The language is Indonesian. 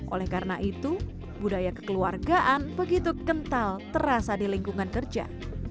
oleh karena itu budaya kekeluargaan begitu kental terasa di lingkungan kerja